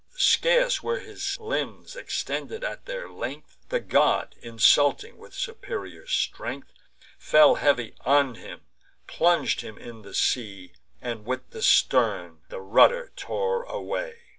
Scarce were his limbs extended at their length, The god, insulting with superior strength, Fell heavy on him, plung'd him in the sea, And, with the stern, the rudder tore away.